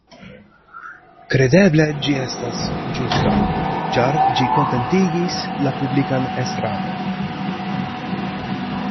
Kredeble ĝi estas ĝusta, ĉar ĝi kontentigis la publikan estraron.